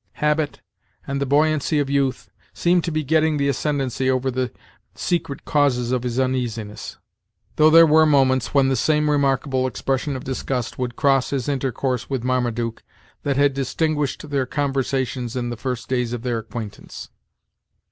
Habit, and the buoyancy of youth, seemed to be getting the ascendency over the secret causes of his uneasiness; though there were moments when the same remarkable expression of disgust would cross his intercourse with Marmaduke, that had distinguished their conversations in the first days of their acquaintance.